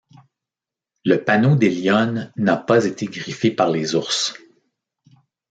Le panneau des lionnes n'a pas été griffé par les ours.